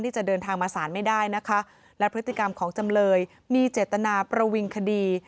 จะเดินทางมาศาลไม่ได้นะคะและพฤติกรรมของจำเลยมีเจตนาประวิงคดี